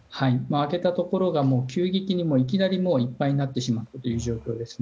空けたところが急激にいきなりいっぱいになってしまったという状況です。